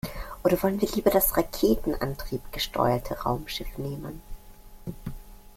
Oder wollen wir lieber das raketenantriebgesteuerte Raumschiff nehmen?